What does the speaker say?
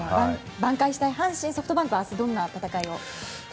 挽回したい阪神、ソフトバンクは明日、どんな戦いを？